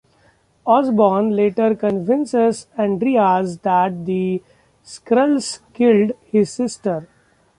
Osborn later convinces Andreas that the Skrulls killed his sister.